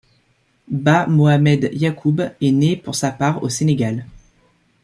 Ba Mohamed Yacoub est né pour sa part au Sénégal.